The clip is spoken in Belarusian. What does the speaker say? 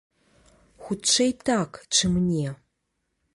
Хутчэй так, чым не.